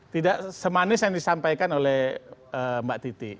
tidak semanis yang disampaikan oleh mbak titi